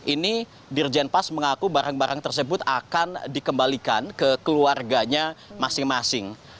ini dirjen pas mengaku barang barang tersebut akan dikembalikan ke keluarganya masing masing